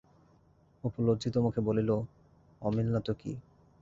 অপু লজ্জিত মুখে বলিল, অমিল না তো কি?